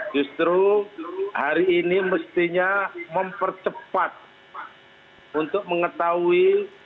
justru hari ini mestinya mempercepat untuk mengetahui